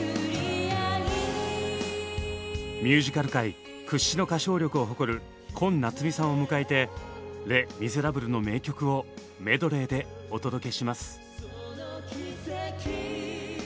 ミュージカル界屈指の歌唱力を誇る昆夏美さんを迎えて「レ・ミゼラブル」の名曲をメドレーでお届けします。